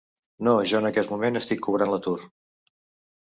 No, jo en aquest moment estic cobrant l’atur.